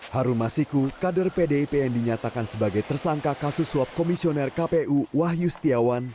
harun masiku kader pdip yang dinyatakan sebagai tersangka kasus suap komisioner kpu wahyu setiawan